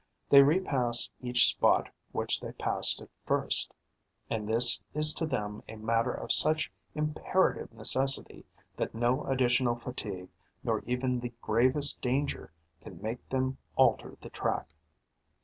They repass each spot which they passed at first; and this is to them a matter of such imperative necessity that no additional fatigue nor even the gravest danger can make them alter the track.